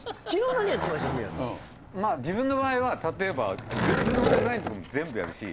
自分の場合は例えばグッズのデザインとかも全部やるし。